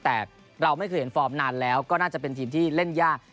แต่เราไม่เคยเห็นฟอร์มนานแล้วก็น่าจะเป็นทีมที่เล่นยาก